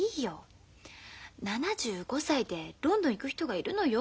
７５歳でロンドン行く人がいるのよ？